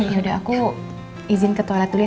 ya udah aku izin ke toilet dulu ya